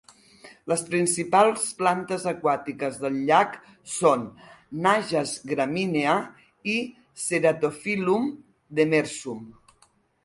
Les principals plantes aquàtiques del llac són "najas graminea" i "ceratophyllum demersum".